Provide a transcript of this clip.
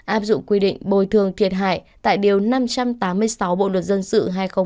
áp dụng quy định bồi thường thiệt hại tại điều năm trăm tám mươi sáu bộ luật dân sự hai nghìn một mươi năm